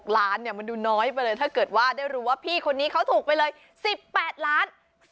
ล้านเนี่ยมันดูน้อยไปเลยถ้าเกิดว่าได้รู้ว่าพี่คนนี้เขาถูกไปเลย๑๘ล้าน